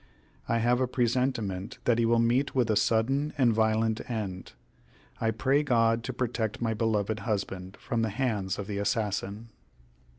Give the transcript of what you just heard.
I have a presentiment that he will meet with a sudden and violent end. I pray God to protect my beloved husband from the hands of the assassin."